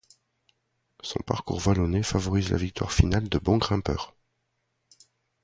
Son parcours vallonné favorise la victoire finale de bons grimpeurs.